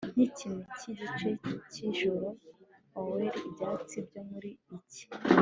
Nkikime cyigihe cyijoro oer ibyatsi byo mu cyi